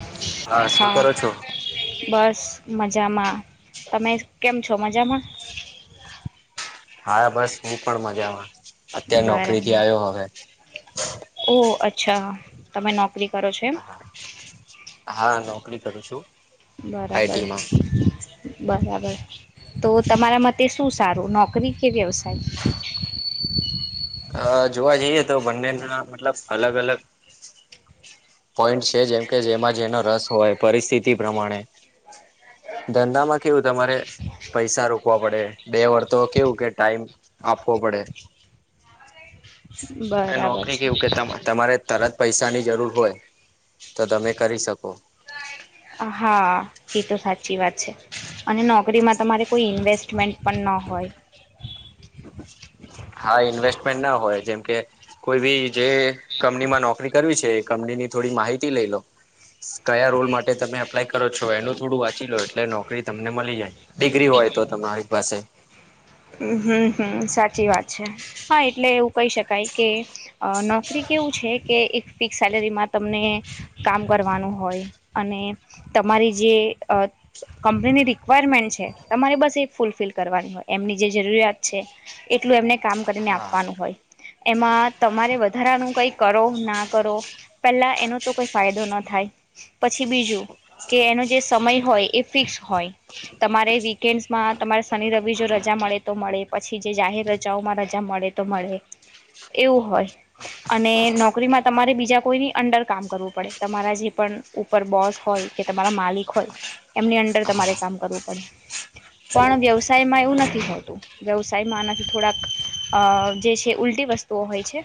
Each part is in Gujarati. [inaudible] શું હા કરો છો? બસ મજામાં તમે કેમ છો મજામા હા બસ હું પણ મજામાં અત્યારે નોકરીથી બરાબર આવ્યો હવે ઓ અચ્છા તમે નોકરી કરો છોએમ હા નોકરી કરું છું બરાબર આઈટીમાં બરાબર તો તમારા માટે શું સારું નોકરી કે વ્યવસાય અ જોવા જઈએ તો બંનેના મતલબ અલગ અલગ પોઈન્ટ છે જેમ કે જેમાં જેનો રસ હોય પરિસ્થિતિ પ્રમાણે ધંધામાં કેવું તમારે પૈસા રોકવા પડે બે વર્તો કેવું કે ટાઈમ આપવો પડે અને બરાબર નોકરી છે કેવું કે તમારે તરત પૈસાની જરૂર હોય તો તમે કરી શકો હા એ તો સાચી વાત છે અને નોકરીમાં તમારે કોઈ ઇન્વેસ્ટમેન્ટ પણ ના હોય હા ઇન્વેસ્ટમેન્ટ ના હોય જેમકે કોઈ બી જે કંપનીમાં નોકરી કરવી છે એ કંપની ની થોડી માહિતી લઈ લો કયા રોલ માટે તમે એપ્લાય કરો છો એનું થોડું વાંચી લો એટલે નોકરી તમને મળી જાય ડિગ્રી હોય તો તમારી પાસે હ [unintelligible] હમ હમ હમ સાચી વાત છે હા એટલે એવું કહી શકાય કે નોકરી કેવું કે એક ફિક્સ સેલેરીમાં તમને કામ કરવાનું હોય અને તમારી જે કંપનીની રિક્વાયરમેન્ટ છે તમારે બસ એ ફૂલફિલ કરવાની હોય એમની જે જરૂરિયાત છે એટલું એમને કામ કરીને હા આપવાનું હોય એમાં તમારે વધારાનું કઈ કરો ના કરો પેલા એનો તો કોઈ ફાયદો ન થાય પછી બીજું કે એનો જે સમય હોય એ ફિક્સ હોય તમારે વીકેન્ડમાં તમારે શનિ રવિ જો રજા રજા મળે તો મળે પછી જે જાહેર રજાઓમાં રજા મળે તો મળે એવું હોય અને નોકરીમાં તમારે બીજા કોઈની અંડર કામ કરવું પડે તમારા જે પણ ઉપર બોસ હોય કે તમારા માલિક હોય એમની અંદર તમારે કામ કરવું પડે પણ વ્યવસાયમાં એવું નથી હોતું વ્યવસાયમાં આનાથી થોડાક અ જે છે ઉલટી વસ્તુઓ હોય છે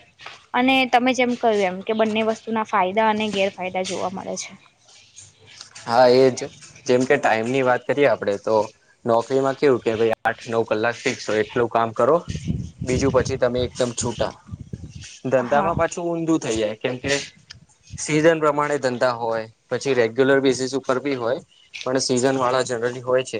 અને તમે જેમ કહ્યું એમ કે બંને વસ્તુના ફાયદા અને ગેરફાયદા જોવા મળે છે [unintelligible] હા એજ જેમ કે ટાઈમ ની વાત કરીએ આપડે તો નોકરીમાં કેવું કે આઠ નવ કલાક શીસો એટલું કામ. કરો બીજું પછી તમે એકદમ છૂટા હા ધંધામાં પાછું ઊંધું. થઈજાય કેમ સીઝન પ્રમાણે ધંધા હોય પછી રેગ્યુલર [unintelligible] હોય સીઝન વાળા જર હોય છે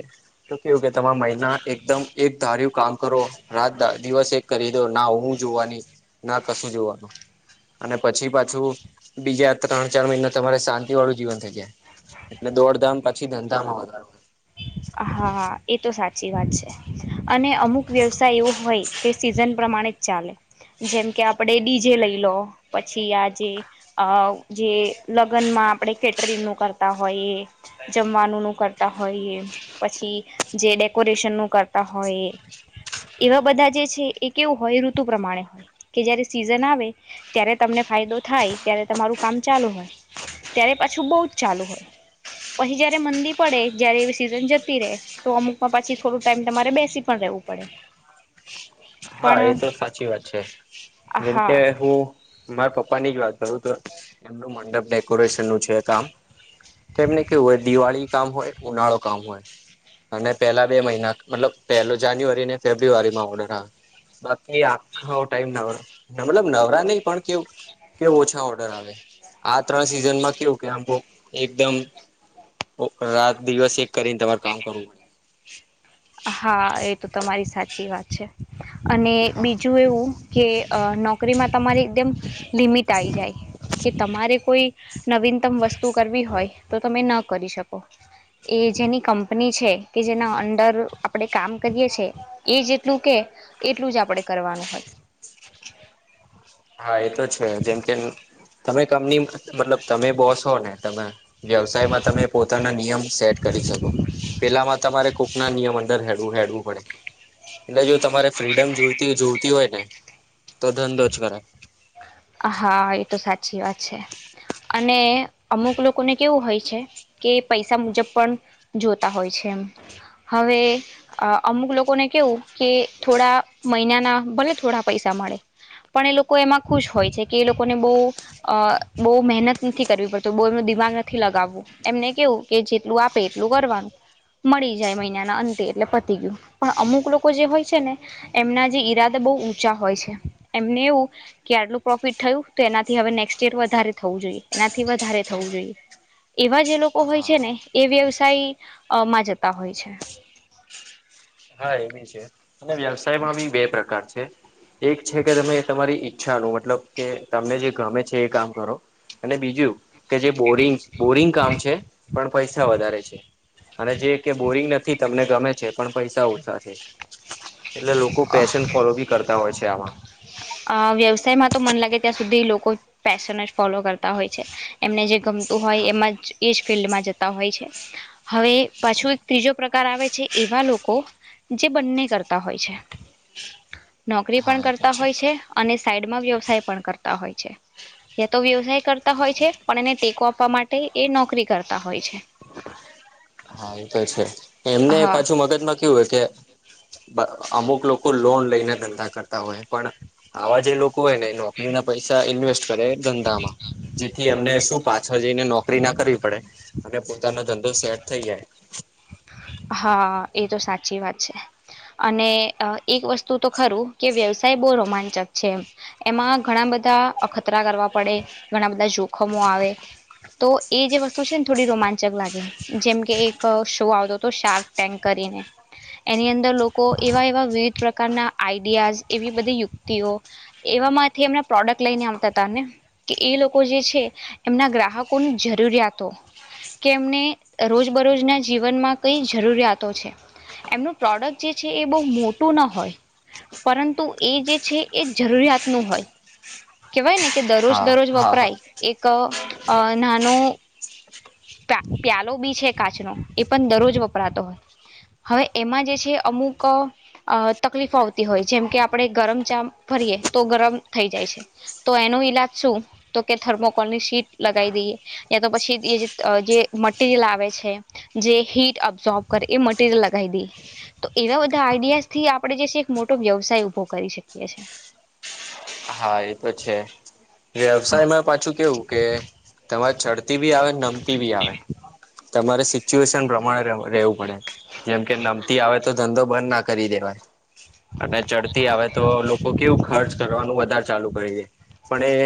તો કેવું કે મહિના એકમ એક ધાર્યું કામ કરો રાત દિવસ એક કરી દો ના હું જોવાની ના કશું જોવાનું અને પછી પાછું બીજા ત્રણ ચાર મહિના તમારે શાંતિ વાળું જીવન થઈ જાય. એટલે દોડ ધામણ પછી ધંધામાં વધારો હા એ તો સાચી વાત છે અને અમુક વ્યવસાય એવો હોય કે સીઝન પ્રમાણે જ ચાલે જેમ કે આપડે ડીજે લઈ લો પછી આજેઅ જે લગ્નમાં આપણે કેટરિંગ નું કરતા હોઈએ જમવાનું નું કરતા હોઈએ પછી જે ડેકોરેશન નું કરતા હોય. એવા બધા જે છે એ કેવું હોય ઋતુ પ્રમાણે હોય કે જયારે સિઝન આવે ત્યારે તમને ફાયદો થાય ત્યારે તમારું કામ ચાલુ હોય ત્યારે પાછું બહુ જ ચાલુ હોય પછી જયારે મંદી પડે જય્યારે એ સીઝન જ જતી તો અમુકમાં પછી થોડું ટાઈમ તમારે બેસી પણ રહેવું પડે હા પણ એ તો સાચી વાત છે જેમ હા કે હું મારા પપ્પા ની જ વાત કરું તો એમનું મંડપ ડેકોરેશન નું છે કામ તો એમને કેવું હોય દિવાળી કામ હોય ઉનાળો કામ હોય. અને પેલા બે મહિના મતલબ પેલો જાન્યુઆરી ને ફેબ્રુઆરી માં ઓર્ડર આવે. બાકી આખો ટાઈમ નવ મલબ નવરા નહ પણ કેવું કેવ ઓછા ઓર્ડર આવે આ ત્રણ સિઝનમાં કેવું કે આમ બવ એકદમ ઓ રાત દિવસ એક કરીને તમારે કામ કરવું પડે હા એ તો તમારી સાચી વાત છે. અને બીજું એવું કે નોકરીમાં તમારી એકદમ લિમિટ આઈ જાય. કે તમારે કોઈ નવીનતમ વસ્તુ કરવી હોય તો તમે ન કરી શકો એ જેની કંપની છે કે જેના ઊંદર આપડે કામ કરીએ છ છેએ એ જેટલું કે એટલું જ આપણેે કરવાનું હોય. હા એ તો છે જેમ કે તમે કંપની મતલબ તમે બોસ હો ને તમે વ્યવસાયમાં તમે પોતાના નિયમ સેટ કરી શકો પેલામાં તમારે કૂકના નિયમ અંદર હેડવું હેડવું પડે એટલે જો તમારે ફ્રીડમ જોતી જોતી હોય ને તો ધનંધોચ કરે હોય હા એ તો સાચી વાત છે અને અમુક લોકોને કેવું હોય છે કે પૈસા મુજબ પણ જોતા હોય છે એમ. હવે અમુક લોકોને કેવું કે થોડા મહિનાના ભલે થોડા પૈસા મળે પણ એ લોકો એમાં ખુશ હોય છે કે એ લોકોને બઉ અ બઉ મહેનત નથી કરવી પડતી બહુ એમનું દિમાગ નથી લગાવવું એમ એમને કેવું કે જેટલું આપે એટલું કરવાનું. મળી જાય મહિનાના અંતે એટલે પતી ગયું પણ અમુક લોકો જે હોય છે ને એમના જે ઈરાદા બઉ ઊંચા હોય છે એમને એવું કે આટલું પ્રોફિટ થયું તો એનાથી હવે નેક્સ્ટ યર વધારે થવું જોઈએ એનાથી વધારે થવું જોઈએ એવા જે લોકો હોય છે હા ને એ વ્યવસાય અ માં જતા હોય છે. [inaudible] હા એ બી છે અને વ્યવસાયમાં બી બે પ્રકાર છે. એક છે કે તમે તમારી ઈચ્છાનું મતલબ કે તમને જે ગમે છે એ કામ કરો અને બીજું કે જે બોરિંગ બોરિંગ કામ છે પણ પૈસા વધારે છે. અને જે કે બોરિંગ નથી તમને ગમે છે પણ પૈસા ઓછા છે. એટલે લોકો પેશન ફોલો બી કરતા હોય છે આમાં વ્યવસાયમાં તો મન લાગે ત્યાં સુધી લોકો પેશન જ ફોલો કરતા હોય છે એમને જે ગમતું હોય એમાં જ એ જ ફિલ્ડમાં જતા હોય છે હવે પાછું એક ત્રીજો પ્રકાર આવે છે એવા લોકો જે બંને કરતા હોય છે નોકરી પણ હા એ તો કરતા હોય છે અને સાઈડમાં વ્યવસાય પણ કરતા હોય છે. યા તો વ્યવસાય કરતા હોય છે પણ એને ટેકો આપવા માટે એ નોકરી કરતા હોય છે. [inaudible] હા એ તો છે એમને હા પાછું મગજમાં કેવું હોય કે બ અમુક લોકો લોન લઈને ધંધા કરતા હોય પણ આવા જે લો કો હોય ને નોકરીના પૈસા ઇન્વેસ્ટ કરે ધંધામાં જેથી એમને શું પાછળ જઈને નો કરી ના કરવી પડે અને પોતાનો ધંધો સેટ થઈ જાય હા એ તો સાચી વાત છે અને એક વસ્તુતો ખરું કે વ્યવસાય બહુ રોમાંચક છે એમ એમાં ઘણા ઘણા બધા અખતરા કરવા પડે ઘણા બધા જોખમો આવે તો એ જે વસ્તુ છે ને થોડી રોમાંચક લાગે જેમ કે એક શો આવતો તો શાર્ક ટેન્ક કરીને એની અંદર લોકો હા એવા એવા વિવિધ પ્રકારના આઈડિયાઝ એવી બધી યુક્તિઓ એ એવામાંથી એમના પ્રોડક્ટ લઈને આવતા હતાને કે એ લોકો જે છે એમના ગ્રાહકોની જરૂરિયાત યાતો કે એમને રોજ બરોજના જીવનમાં. કઈ જરૂરિયાતો છે એમનું પ્રોડક્ટ જે છે એ બહુ મોટું ના હોય પરંતુ એ જે છે એ જરૂરિયાતનું હોય કેવાય ને કે દરરોજ હા દરરોજ હા હા વપરાય એક અ નાનો પા પ્યાલો બી છે કાચનો એ પણ દરરોજ વપરાતો હોય હવે એમાં જે છે અમુક અ તકલીફો આવતી હોય જેમ કે આપણે ગરમ ચા ભરીએ તો ગરમ થઈ જાય છે તો એને નો ઈલાજ શું તો કે થર્મોકોલની સીટ લગાઈ દઈએ યા તો પછી જે મટીરિયલ આવે છે જે હીટ અબ્ઝોર્બ કરે એ મટીરિયલ લગાઈ દઈએ તો એવા બધા આઈડિયાસ થી આપણે જે છે એક મોટો વ્યવસાય ઉભો કરી શકીએ છે. હા એ તો છે વ્યવસાયમાં પાછું કેવું કે તમારે ચડતી બી આવે નમતી બી આવે તમારે સિચ્યુએશન પ્રમાણે રહે રહેવું પડે જેમ કે નમતી આવે તો ધંધો બંધ ના કરી દેવાય અને ચડતી આવે તો લોકો કેવું ખર્ચ કરવાનું વધારે ચાલુ કરી દે પણ એ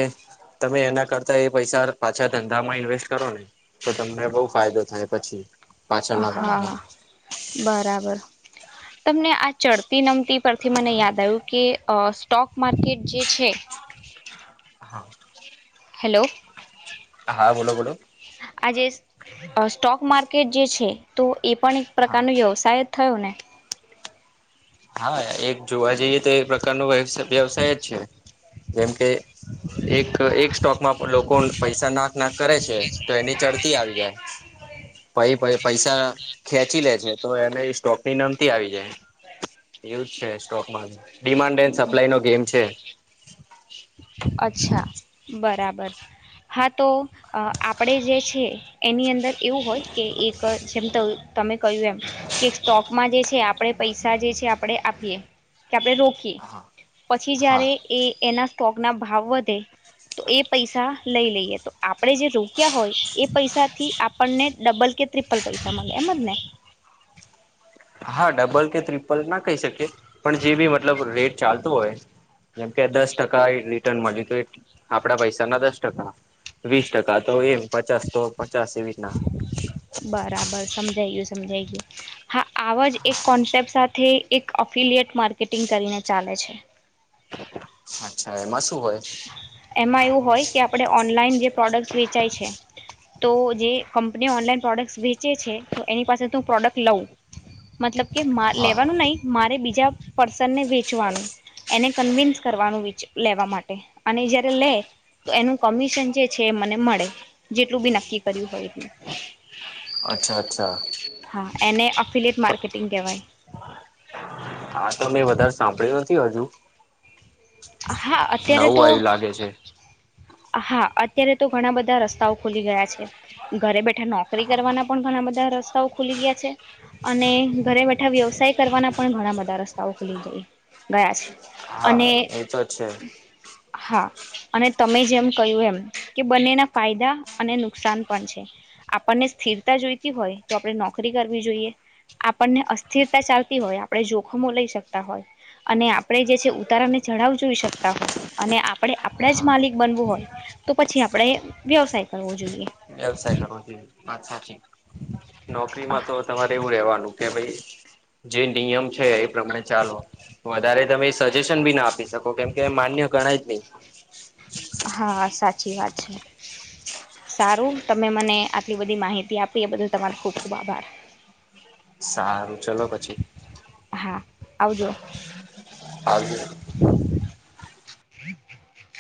તમે એના કરતા એ પૈસા પાછા ધંધામાં ઈન્વેસ્ટ કરો ને તો તમને બઉ ફાયદો થાય પછી પાછળના હા ગાળામાં બરાબર તમને આ ચડતી નમતી પરથી મને યાદ આવ્યું કે અ સ્ટોક માર્કેટ જે છે હા હેલો હા બોલો બોલો આજે સ્ટોક માર્કેટ જે છે તો એ પણ એક હા પ્રકારનો વ્યવસાય જ થયો ને હા એક જોવા જઈએ તો એ પ્રકારનો વ્યવસાય જ છે જેમ કે એક એક સ્ટોકમાં લોકો પૈસા નાક નાક કરે છે તો એની ચડતી આવી જાય પ-પ-પૈસા ખેંચી લે છે તો એને સ્ટોક નીંદર આવી જાય એવું જ છે સ્ટોકમાં ડિમાન્ડ એન્ડ સપ્લાય નો ગેમ છે. [inaudible] અચ્છા બરાબર હા તો આપણેે જે છે એની અંદર એવું હોય કે એક જેમ તમે કહ્યું એમ કે સ્ટોકમાં જે છે આપણે પૈસા જે છે આપણેે આપીએ કે આપણે રોકીએ હા પછી હા જયારે એ એના સ્ટોક ના ભાવ વધે તો એ પૈસા લઈ લઈએ તો આપણેે જે રોક્યા હોય એ પૈસાથી આપણને ડબલ કે ત્રિપલ પૈસા ગે એમ જ ને હા ડબલ કે ટ્રિપલ ના કહી શકીએ પણ જે બી મતલબ રેટ ચાલતોું હોય જેમ કે દસ ટકા મળ આપડા પૈસા ના દસ ટકા વીસ ટકા તો એમ પચાસ તો પચાસ એવીીતના બરાબર સમજાઈ ગયું હા આ જ એક કોન્સેપ્ટ સાથે એક અફિલયટ માર્કેટિંગ કરીને ચાલે [inaudible] પછ [inaudible] અચ્છા એમાં શું હોય એમાં એવું હોય કે આપણે ઓનલાઈન જે પ્રોડક્ટ વેચાય છે તો જે કંપની ઓનલાઈન પ્રોડક્ટ વેચે છે તો એની પાસેથીું પ્રોડક્ટ લઉં મતલબ કે મા હા લેવાનું નહી મારે બીજા પર્સનને વેચવાનું એને કન્વિન્સ કરવાનું લેવા માટે અનેન જર લે તો એનું કમિશન જે છે એ મને મળે જેટલું બી નક્કી કર્યું હોય એટલું અચ્છા અચ્છા હા એને અફિલિટ માર્કેટિંગ કહેવાય હા તો મેં વધારે સાંભળ્યું નથી હજુ હા નવું અત્યારે તો આવ્યું લાગે છે હા અત્યારે તો ઘણા બધા રસ્તાઓ ખુલી ગયા છે. ઘરે બેઠા નોકરી કરવાના પણ ઘણા બધા રસ્તાઓ ખુલી ગયા છે. અને ઘરે બેઠા વ્યવસાય કરવાના પણ ઘણા બધા રસ્તાઓ ખુલી જાય ગયા છે અને એતો છે હા અને તમે જેમ કહ્યું એમ કે બંનેના ફાયદા અને નુકસાન પણ છે આપણને સ્થિરતા જોઈતી હોય તો આપણે નોકરી કરવી જોઈએ આપણને અસ્થિરતા ચાલતી હોય આપણે જોખમો લઈ શકતા હોય અને આપણે જે છે ઉતારાને જડાવ જોઈ શકતા હોય અને આપણે આપણે જ માલિક બનવું હોય તો પછી આપણે વ્યવસાય ચરવ જોઈએ [unintelligible] વ્યવસાય કરો છ વાત સાચી નોકરીમાં તો તમારે એવું રેવાનું કે ભાઈ જે નિયમ છે એ પ્રમાણે ચાલવો વધારે તમે સજેશન બી ના આપીશ કો કેમ કે માન્ય ગણાય જ નહી હા સાચી વાત છે સારું તમે મને આટલી બધી માહિતી આપી એ બદલ તમારો ખુબ ખુબ આભાર સારું ચલો પછી હા આવજો હે હ [inaudible]